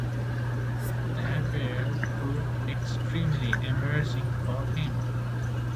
The affair proved extremely embarrassing for him.